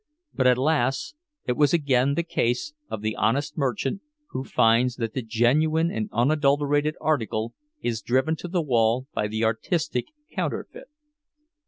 But, alas, it was again the case of the honest merchant, who finds that the genuine and unadulterated article is driven to the wall by the artistic counterfeit.